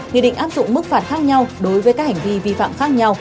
nghị định áp dụng mức phạt khác nhau đối với các hành vi vi phạm khác nhau